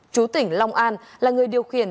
chú tỉnh long an là người điều khiển